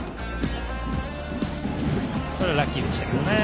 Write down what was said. ラッキーでしたけどね。